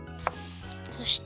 そして。